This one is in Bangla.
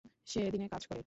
সে দিনে কাজ করে।